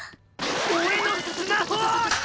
俺のスマホ！